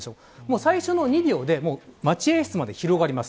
最初の２秒で待合室まで広がります。